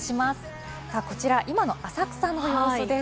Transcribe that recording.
こちら今の浅草の様子です。